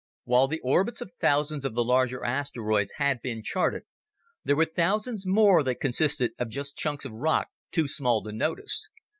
While the orbits of thousands of the larger asteroids had been charted, there were thousands more that consisted of just chunks of rock too small to notice.